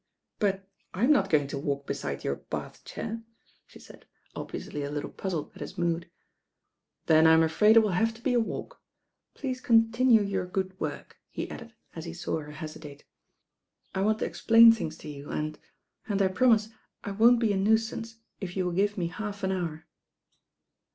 "But I'm not going to walk beside your bath chair," she said, obviously a little puzzled at his mood. "Then I'm afraid it will have to be a walk. Please continue your good work," he added as he saw her hesitate. "I want to explain things to you and — and I promise I won't be a nuisance if you will give me half an hour."